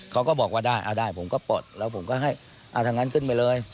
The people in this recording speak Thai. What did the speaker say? เขาก็บอกว่าได้เอาได้ผมก็ปลดแล้วผมก็ให้ทางนั้นขึ้นไปเลย